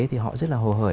thì họ rất là hồ hởi